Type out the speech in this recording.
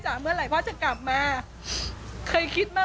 ที่มันก็มีเรื่องที่ดิน